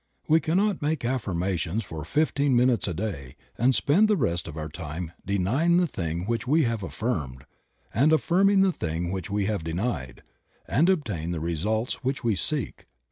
We cannot make affirmations for fifteen minutes a day and spend the rest of our time denying the thing which we have affirmed, and affirming the thing which we have denied, and obtain the results which we seek.